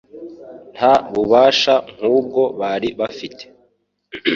Nta bubasha nk’ubwo bari bafite.